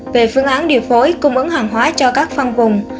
về phương án điều phối cung ứng hàng hóa cho các phân vùng